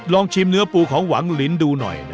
ลองชิมเนื้อปูของหวังลินดูหน่อย